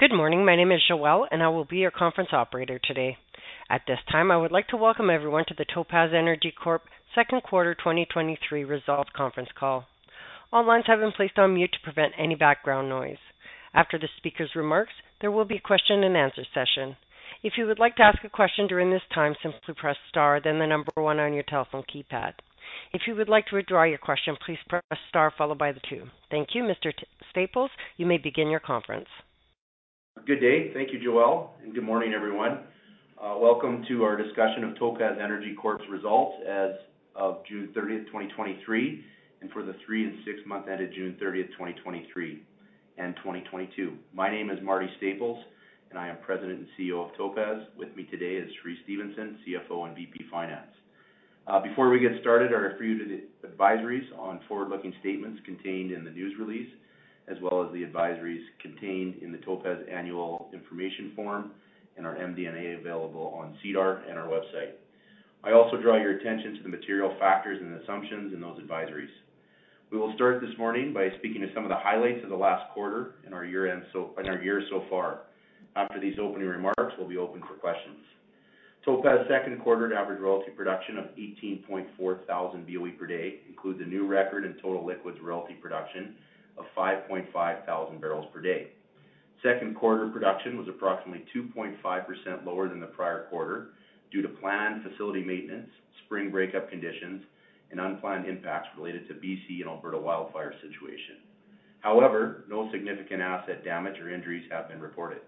Good morning. My name is Joelle, and I will be your conference operator today. At this time, I would like to welcome everyone to the Topaz Energy Corp second quarter 2023 results conference call. All lines have been placed on mute to prevent any background noise. After the speaker's remarks, there will be a question and answer session. If you would like to ask a question during this time, simply press star, then the number one on your telephone keypad. If you would like to withdraw your question, please press star, followed by the two. Thank you. Mr. Staples, you may begin your conference. Good day. Thank you, Joelle, good morning, everyone. Welcome to our discussion of Topaz Energy Corp's results as of June 30th, 2023, and for the three and six-month ended June 30th, 2023 and 2022. My name is Marty Staples, and I am President and CEO of Topaz. With me today is Cheree Stephenson, CFO and VP Finance. Before we get started, there are a few advisories on forward-looking statements contained in the news release, as well as the advisories contained in the Topaz Annual Information Form and our MD&A available on SEDAR and our website. I also draw your attention to the material factors and assumptions in those advisories. We will start this morning by speaking to some of the highlights of the last quarter and our year so far. After these opening remarks, we'll be open for questions. Topaz second quarter average royalty production of 18,400 BOE per day includes a new record in total liquids royalty production of 5,5000 bbl per day. Second quarter production was approximately 2.5% lower than the prior quarter due to planned facility maintenance, spring break up conditions, and unplanned impacts related to BC and Alberta wildfire situation. However, no significant asset damage or injuries have been reported.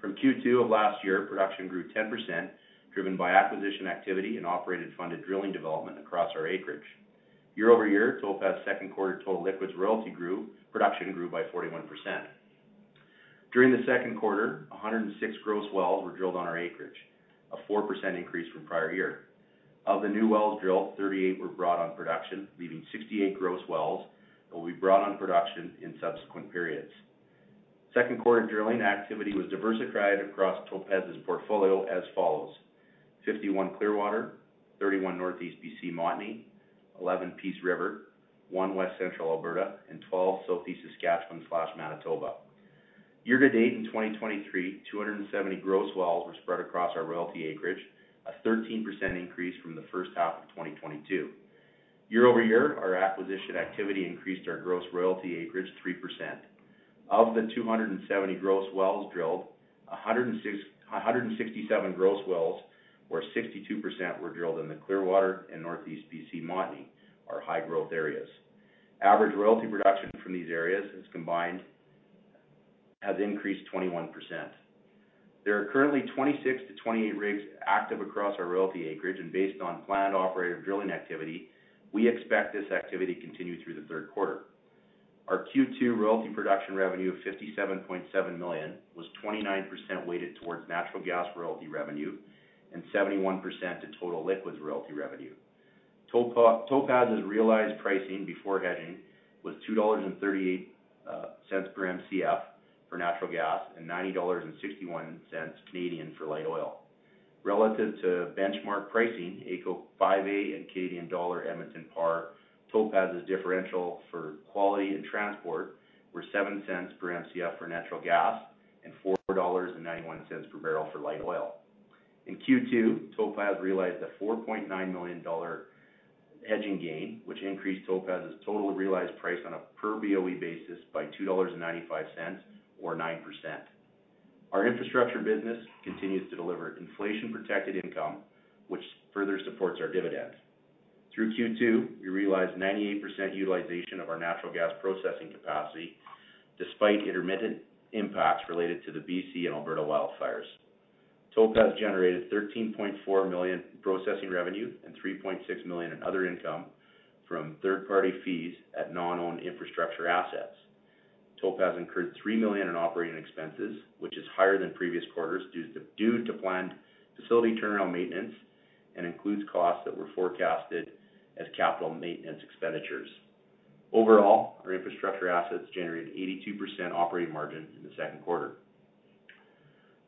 From Q2 of last year, production grew 10%, driven by acquisition activity and operated funded drilling development across our acreage. Year-over-year, Topaz second quarter total liquids royalty production grew by 41%. During the second quarter, 106 gross wells were drilled on our acreage, a 4% increase from prior year. Of the new wells drilled, 38 were brought on production, leaving 68 gross wells that will be brought on production in subsequent periods. Second quarter drilling activity was diversified across Topaz's portfolio as follows: 51 Clearwater, 31 Northeast BC Montney, 11 Peace River, 1 West Central Alberta, and 12 Southeast Saskatchewan/Manitoba. Year to date in 2023, 270 gross wells were spread across our royalty acreage, a 13% increase from the first half of 2022. Year-over-year, our acquisition activity increased our gross royalty acreage 3%. Of the 270 gross wells drilled, 167 gross wells, or 62%, were drilled in the Clearwater and Northeast BC Montney, our high-growth areas. Average royalty production from these areas as combined has increased 21%. There are currently 26-28 rigs active across our royalty acreage, and based on planned operator drilling activity, we expect this activity to continue through the third quarter. Our Q2 royalty production revenue of 57.7 million was 29% weighted towards natural gas royalty revenue and 71% to total liquids royalty revenue. Topaz's realized pricing before hedging was 2.38 dollars per Mcf for natural gas and 90.61 Canadian dollars Canadian for light oil. Relative to benchmark pricing, AECO 5A and Canadian Dollar Edmonton Par, Topaz's differential for quality and transport were 0.07 per Mcf for natural gas and 4.91 dollars per bbl for light oil. In Q2, Topaz realized a 4.9 million dollar hedging gain, which increased Topaz's total realized price on a per BOE basis by 2.95 dollars or 9%. Our infrastructure business continues to deliver inflation-protected income, which further supports our dividends. Through Q2, we realized 98% utilization of our natural gas processing capacity, despite intermittent impacts related to the BC and Alberta wildfires. Topaz generated 13.4 million in processing revenue and 3.6 million in other income from third-party fees at non-owned infrastructure assets. Topaz incurred 3 million in operating expenses, which is higher than previous quarters, due to planned facility turnaround maintenance and includes costs that were forecasted as capital maintenance expenditures. Overall, our infrastructure assets generated 82% operating margin in the second quarter.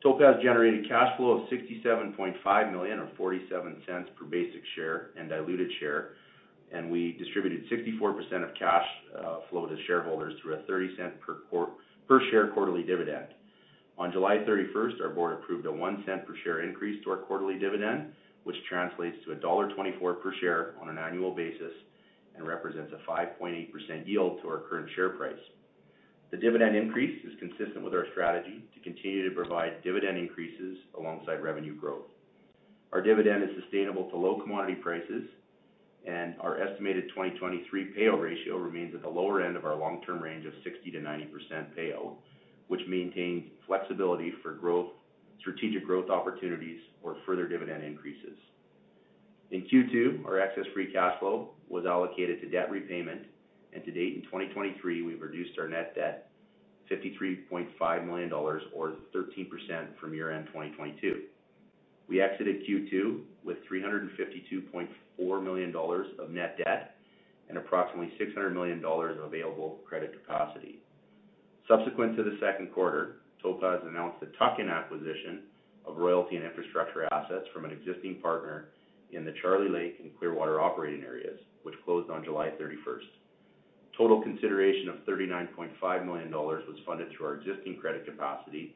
Topaz generated cash flow of 67.5 million or 0.47 per basic share and diluted share. We distributed 64% of cash flow to shareholders through a 0.30 per share quarterly dividend. On July 31st, our board approved a 0.01 per share increase to our quarterly dividend, which translates to dollar 1.24 per share on an annual basis and represents a 5.8% yield to our current share price. The dividend increase is consistent with our strategy to continue to provide dividend increases alongside revenue growth. Our dividend is sustainable to low commodity prices, and our estimated 2023 payout ratio remains at the lower end of our long-term range of 60%-90% payout, which maintains flexibility for growth, strategic growth opportunities or further dividend increases. In Q2, our excess free cash flow was allocated to debt repayment. To date in 2023, we've reduced our net debt 53.5 million dollars or 13% from year-end 2022. We exited Q2 with 352.4 million dollars of net debt and approximately 600 million dollars of available credit capacity. Subsequent to the second quarter, Topaz announced the tuck-in acquisition of royalty and infrastructure assets from an existing partner in the Charlie Lake and Clearwater operating areas, which closed on July 31st. Total consideration of 39.5 million dollars was funded through our existing credit capacity.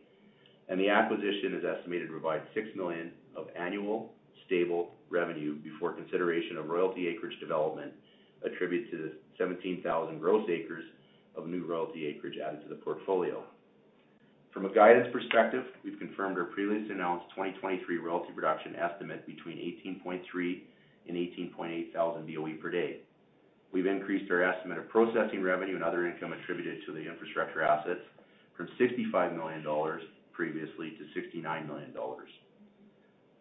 The acquisition is estimated to provide 6 million of annual stable revenue before consideration of royalty acreage development, attributed to the 17,000 gross acres of new royalty acreage added to the portfolio. From a guidance perspective, we've confirmed our previously announced 2023 royalty production estimate between 18,300 and 18,800 thousand BOE per day. We've increased our estimate of processing revenue and other income attributed to the infrastructure assets from $65 million previously to $69 million.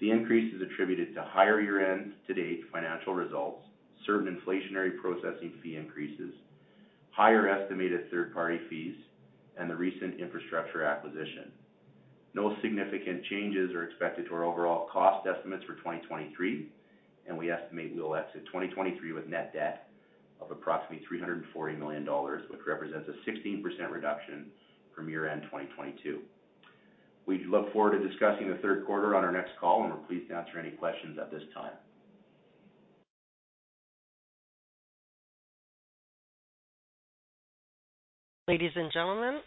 The increase is attributed to higher year-end to date financial results, certain inflationary processing fee increases, higher estimated third-party fees, and the recent infrastructure acquisition. No significant changes are expected to our overall cost estimates for 2023, and we estimate we will exit 2023 with net debt of approximately $340 million, which represents a 16% reduction from year-end 2022. We look forward to discussing the third quarter on our next call, and we're pleased to answer any questions at this time. Ladies and gentlemen,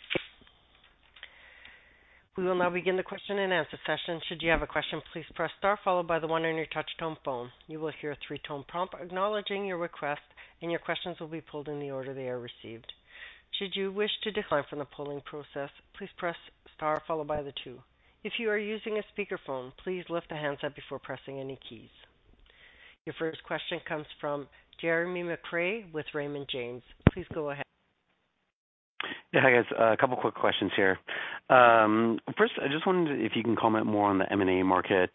we will now begin the question-and-answer session. Should you have a question, please press star followed by the one on your touch-tone phone. You will hear a three-tone prompt acknowledging your request, and your questions will be pulled in the order they are received. Should you wish to decline from the polling process, please press star followed by the two. If you are using a speakerphone, please lift the handset before pressing any keys. Your first question comes from Jeremy McCrea with Raymond James. Please go ahead. Yeah. Hi, guys. A couple of quick questions here. First, I just wondering if you can comment more on the M&A market.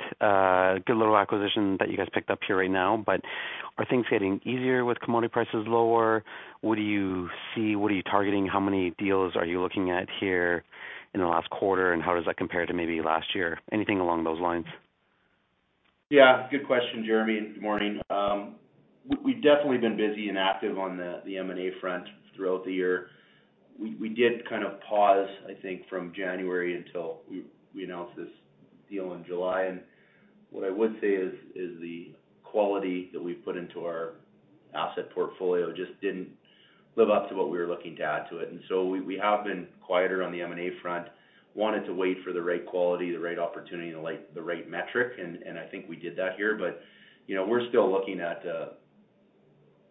Good little acquisition that you guys picked up here right now, but are things getting easier with commodity prices lower? What do you see? What are you targeting? How many deals are you looking at here in the last quarter, and how does that compare to maybe last year? Anything along those lines. Yeah, good question, Jeremy. Good morning. We've definitely been busy and active on the M&A front throughout the year. We, we did kind of pause, I think, from January until we, we announced this deal in July. What I would say is, is the quality that we put into our asset portfolio just didn't live up to what we were looking to add to it. We, we have been quieter on the M&A front. Wanted to wait for the right quality, the right opportunity, and the like, the right metric, and, and I think we did that here. You know, we're still looking at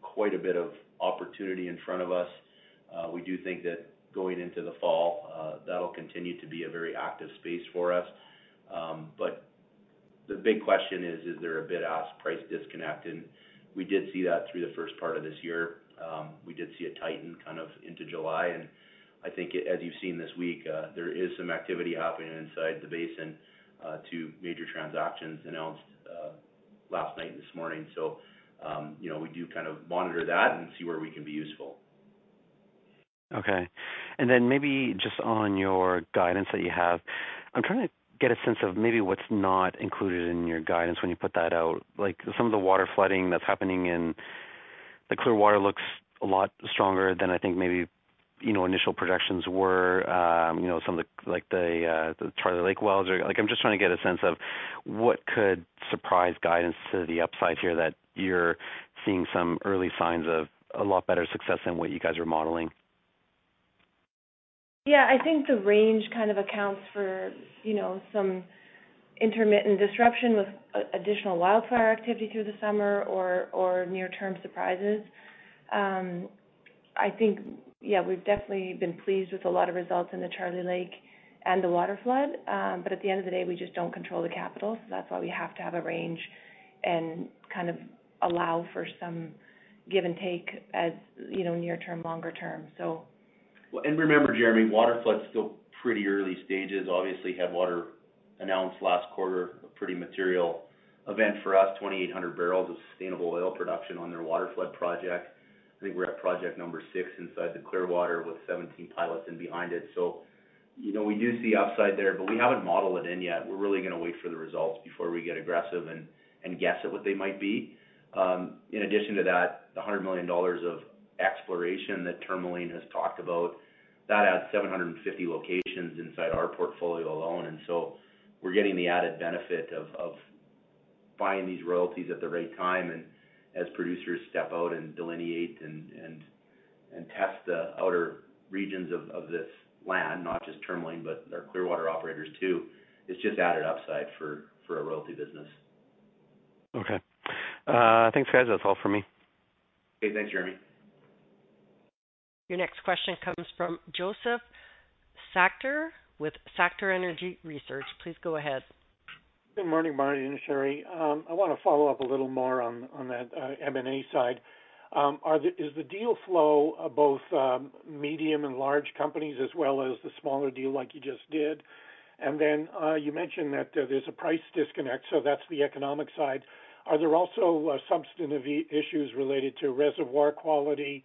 quite a bit of opportunity in front of us. We do think that going into the fall, that'll continue to be a very active space for us. But the big question is: Is there a bid-ask price disconnect? We did see that through the first part of this year. We did see it tighten kind of into July, and I think as you've seen this week, there is some activity happening inside the basin, two major transactions announced, last night and this morning. You know, we do kind of monitor that and see where we can be useful. Then maybe just on your guidance that you have, I'm trying to get a sense of maybe what's not included in your guidance when you put that out. Like, some of the waterflooding that's happening in the Clearwater looks a lot stronger than I think maybe, you know, initial projections were. You know, some of the, like, the Charlie Lake wells. Like, I'm just trying to get a sense of what could surprise guidance to the upside here, that you're seeing some early signs of a lot better success than what you guys are modeling. I think the range kind of accounts for, you know, some intermittent disruption with additional wildfire activity through the summer or, or near-term surprises. I think, yeah, we've definitely been pleased with a lot of results in the Charlie Lake and the waterflood. At the end of the day, we just don't control the capital, so that's why we have to have a range and kind of allow for some give and take, as, you know, near term, longer term. Remember, Jeremy, waterflood is still pretty early stages. Obviously, Headwater announced last quarter, a pretty material event for us, 2,800 bbl of sustainable oil production on their waterflood project. I think we're at project #6 inside the Clearwater with 17 pilots in behind it. You know, we do see upside there, but we haven't modeled it in yet. We're really gonna wait for the results before we get aggressive and guess at what they might be. In addition to that, the $100 million of exploration that Tourmaline has talked about, that adds 750 locations inside our portfolio alone. We're getting the added benefit of buying these royalties at the right time. As producers step out and delineate and test the outer regions of this land, not just Tourmaline, but their Clearwater operators too, it's just added upside for a royalty business. Okay. Thanks, guys. That's all for me. Okay, thanks, Jeremy. Your next question comes from Josef Schachter with Schachter Energy Research. Please go ahead. Good morning, Marty and Cheree. I want to follow up a little more on, on that M&A side. Is the deal flow, both medium and large companies, as well as the smaller deal like you just did? You mentioned that there's a price disconnect, so that's the economic side. Are there also substantive issues related to reservoir quality,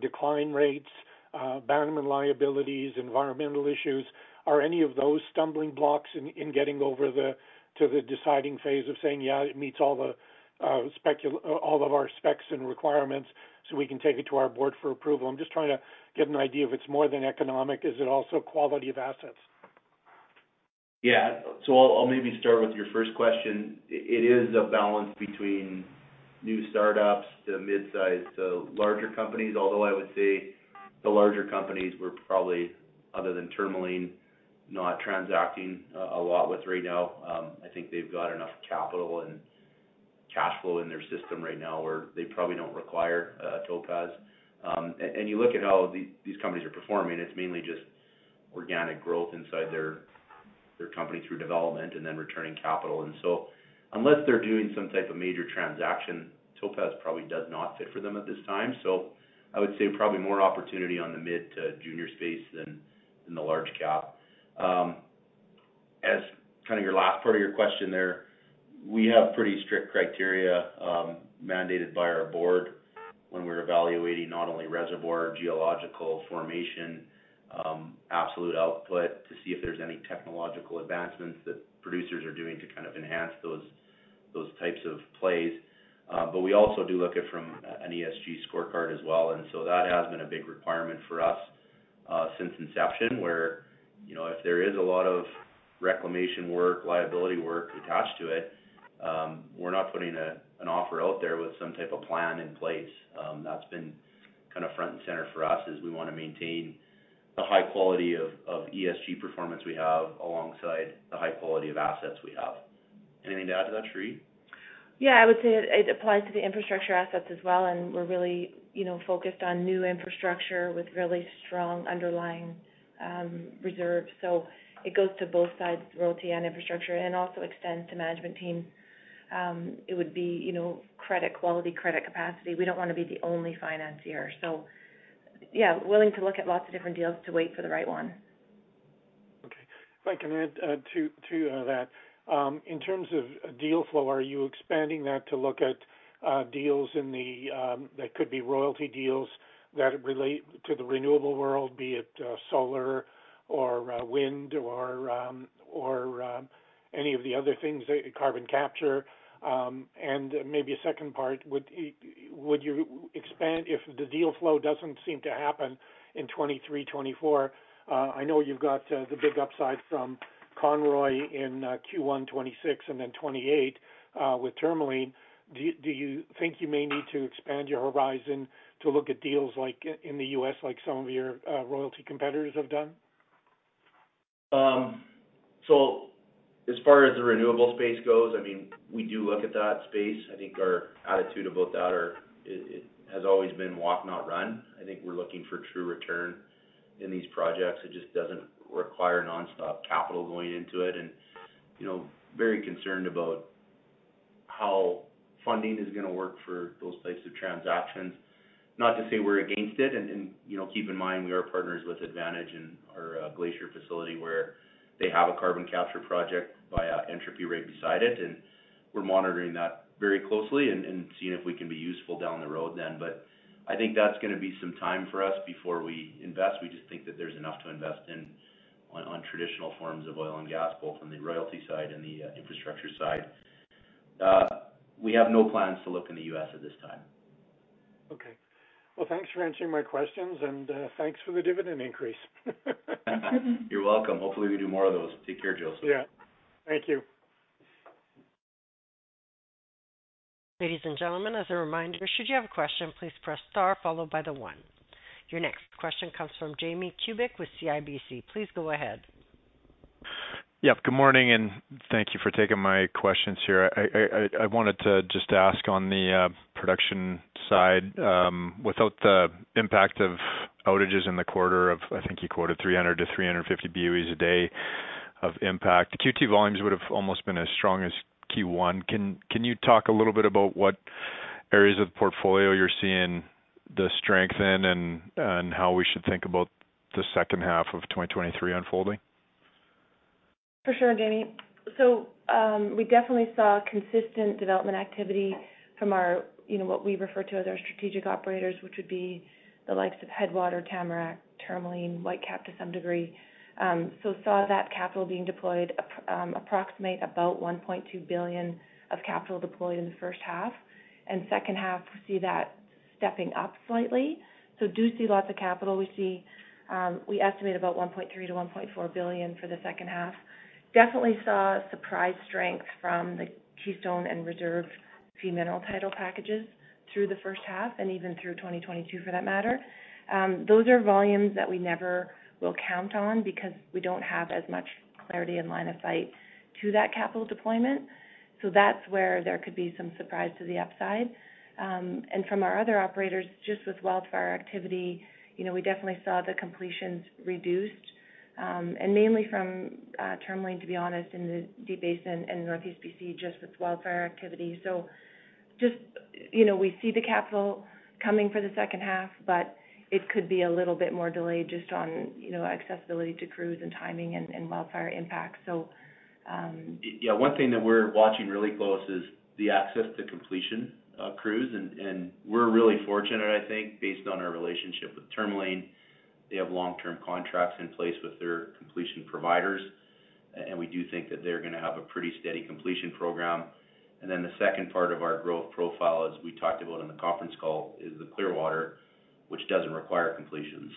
decline rates, abandonment liabilities, environmental issues? Are any of those stumbling blocks in, in getting over the, to the deciding phase of saying, "Yeah, it meets all of our specs and requirements, so we can take it to our board for approval?" I'm just trying to get an idea if it's more than economic. Is it also quality of assets? Yeah, I'll, I'll maybe start with your first question. It, it is a balance between new startups to mid-size to larger companies, although I would say the larger companies we're probably, other than Tourmaline, not transacting, a lot with right now. I think they've got enough capital and cash flow in their system right now, where they probably don't require, Topaz. You look at how these, these companies are performing, it's mainly just organic growth inside their, their company through development and then returning capital. Unless they're doing some type of major transaction, Topaz probably does not fit for them at this time. I would say probably more opportunity on the mid to junior space than, than the large cap. As kind of your last part of your question there, we have pretty strict criteria, mandated by our board when we're evaluating not only reservoir geological formation, absolute output, to see if there's any technological advancements that producers are doing to kind of enhance those, those types of plays. We also do look at from an ESG scorecard as well, that has been a big requirement for us since inception, where, you know, if there is a lot of reclamation work, liability work attached to it, we're not putting a, an offer out there with some type of plan in place. That's been kind of front and center for us, as we want to maintain the high quality of, of ESG performance we have, alongside the high quality of assets we have. Anything to add to that, Cheree? Yeah, I would say it, it applies to the infrastructure assets as well, and we're really, you know, focused on new infrastructure with really strong underlying, reserves. It goes to both sides, royalty and infrastructure, and also extends to management team. It would be, you know, credit quality, credit capacity. We don't want to be the only financier. Yeah, willing to look at lots of different deals to wait for the right one. Okay. If I can add to, to that. In terms of deal flow, are you expanding that to look at deals in the that could be royalty deals that relate to the renewable world, be it solar or wind, or or any of the other things, carbon capture? Maybe a second part, would would you expand if the deal flow doesn't seem to happen in 2023, 2024? I know you've got the big upside from Conroy in Q1 2026 and then 2028 with Tourmaline. Do, do you think you may need to expand your horizon to look at deals like, in the U.S., like some of your royalty competitors have done? As far as the renewable space goes, I mean, we do look at that space. I think our attitude about that are, it, it has always been walk, not run. I think we're looking for true return in these projects. It just doesn't require nonstop capital going into it. You know, very concerned about how funding is gonna work for those types of transactions. Not to say we're against it, and, and, you know, keep in mind, we are partners with Advantage in our Glacier facility, where they have a carbon capture project via Entropy right beside it, and we're monitoring that very closely and, and seeing if we can be useful down the road then. I think that's gonna be some time for us before we invest. We just think that there's enough to invest in on, on traditional forms of oil and gas, both on the royalty side and the infrastructure side. We have no plans to look in the U.S. at this time. Okay. Well, thanks for answering my questions, and thanks for the dividend increase. You're welcome. Hopefully, we do more of those. Take care, Josef. Yeah. Thank you. Ladies and gentlemen, as a reminder, should you have a question, please press star followed by the one. Your next question comes from Jamie Kubik with CIBC. Please go ahead. Yep, good morning, and thank you for taking my questions here. I wanted to just ask on the production side, without the impact of outages in the quarter of, I think you quoted 300-350 BOEs a day of impact, the Q2 volumes would have almost been as strong as Q1. Can you talk a little bit about what areas of the portfolio you're seeing the strength in, and how we should think about the second half of 2023 unfolding? For sure, Jamie. We definitely saw consistent development activity from our, you know, what we refer to as our strategic operators, which would be the likes of Headwater, Tamarack, Tourmaline, Whitecap to some degree. So saw that capital being deployed, approximate about 1.2 billion of capital deployed in the first half, and second half, we see that stepping up slightly. Do see lots of capital. We see, we estimate about 1.3 billion-1.4 billion for the second half. Definitely saw surprise strength from the Keystone and Reserve freehold mineral title packages through the first half and even through 2022 for that matter. Those are volumes that we never will count on because we don't have as much clarity and line of sight to that capital deployment. That's where there could be some surprise to the upside. From our other operators, just with wildfire activity, you know, we definitely saw the completions reduced, mainly from Tourmaline, to be honest, in the Deep Basin and Northeast BC, just with wildfire activity. Just, you know, we see the capital coming for the second half, but it could be a little bit more delayed just on, you know, accessibility to crews and timing and, and wildfire impacts, so. Yeah, one thing that we're watching really close is the access to completion crews. We're really fortunate, I think, based on our relationship with Tourmaline. They have long-term contracts in place with their completion providers, and we do think that they're gonna have a pretty steady completion program. The second part of our growth profile, as we talked about on the conference call, is the Clearwater, which doesn't require completion.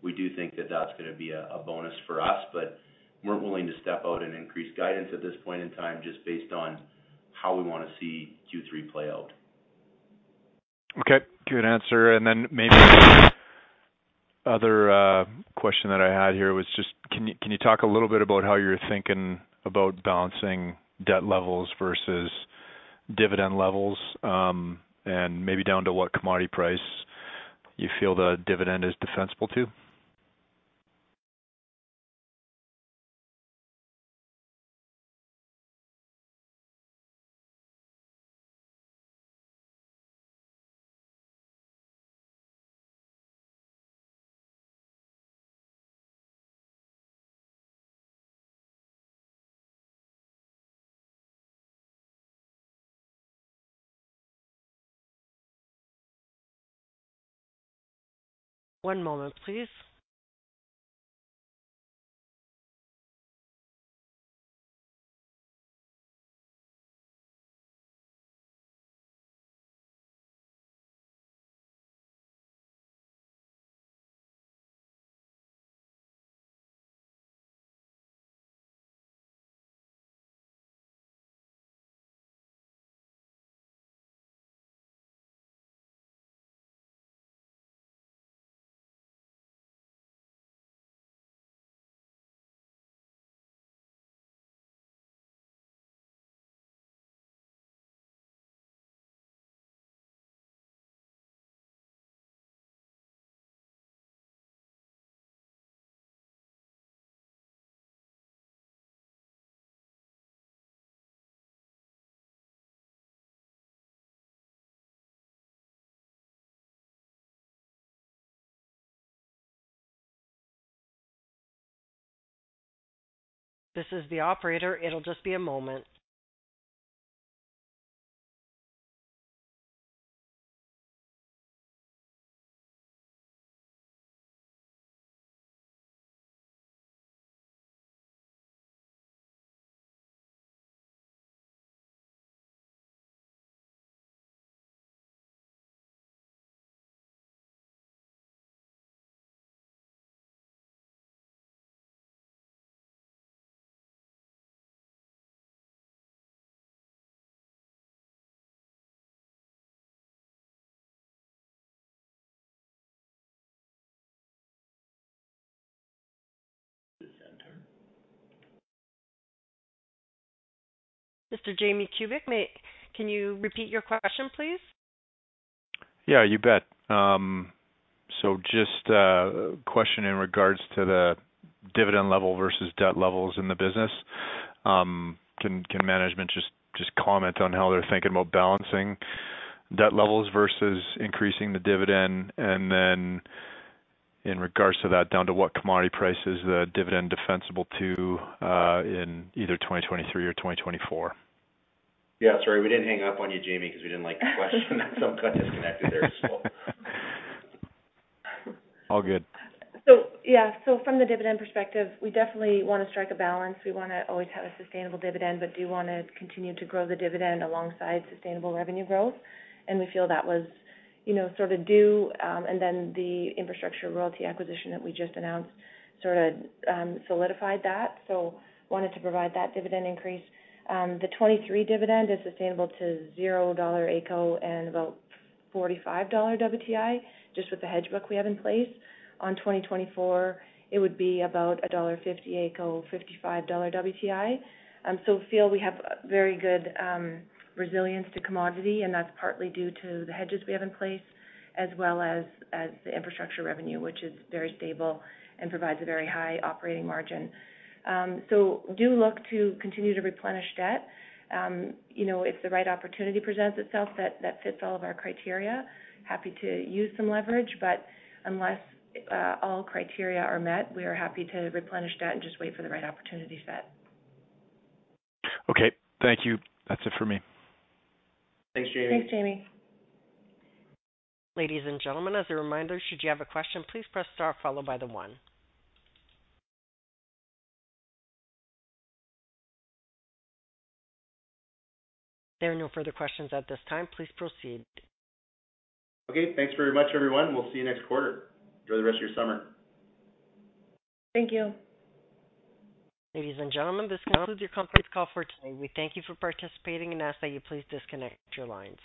We do think that that's going to be a, a bonus for us, but we're willing to step out and increase guidance at this point in time just based on how we want to see Q3 play out. Okay, good answer. Then maybe other question that I had here was just, can you, can you talk a little bit about how you're thinking about balancing debt levels versus dividend levels, and maybe down to what commodity price you feel the dividend is defensible to? One moment, please. This is the operator. It'll just be a moment. Mr. Jamie Kubik, can you repeat your question, please? Yeah, you bet. Just a question in regards to the dividend level versus debt levels in the business. Can management just comment on how they're thinking about balancing debt levels versus increasing the dividend? In regards to that, down to what commodity price is the dividend defensible to in either 2023 or 2024? Yeah, sorry, we didn't hang up on you, Jamie, because we didn't like the question. I'm kind of disconnected there, so. All good. Yeah. From the dividend perspective, we definitely want to strike a balance. We want to always have a sustainable dividend, but do want to continue to grow the dividend alongside sustainable revenue growth. We feel that was, you know, sort of due, and then the Infrastructure Royalty acquisition that we just announced sort of solidified that. Wanted to provide that dividend increase. The 2023 dividend is sustainable to $0 AECO and about $45 WTI, just with the hedge book we have in place. On 2024, it would be about $1.50 ACO, $55 WTI. Feel we have very good resilience to commodity, and that's partly due to the hedges we have in place, as well as, as the infrastructure revenue, which is very stable and provides a very high operating margin. Do look to continue to replenish debt. You know, if the right opportunity presents itself, that, that fits all of our criteria. Happy to use some leverage, but unless all criteria are met, we are happy to replenish debt and just wait for the right opportunity set. Okay, thank you. That's it for me. Thanks, Jamie. Thanks, Jamie. Ladies and gentlemen, as a reminder, should you have a question, please press star followed by the one. There are no further questions at this time. Please proceed. Okay, thanks very much, everyone. We'll see you next quarter. Enjoy the rest of your summer. Thank you. Ladies and gentlemen, this concludes your complete call for today. We thank you for participating and ask that you please disconnect your lines.